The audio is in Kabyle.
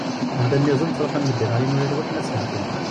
Anda-nniḍen ttruḥun medden ɣer yinurar i wakken ad steɛfun.